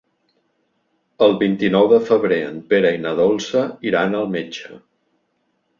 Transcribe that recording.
El vint-i-nou de febrer en Pere i na Dolça iran al metge.